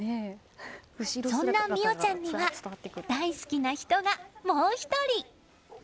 そんな望央ちゃんには大好きな人がもう１人。